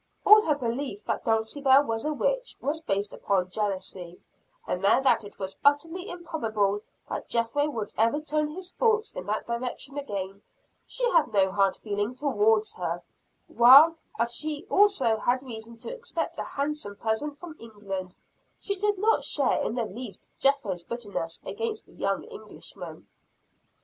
All her belief that Dulcibel was a witch was based upon jealousy, and now that it was utterly improbable that Jethro would ever turn his thoughts in that direction again, she had no hard feeling towards her; while, as she also had reason to expect a handsome present from England, she did not share in the least Jethro's bitterness against the young Englishman.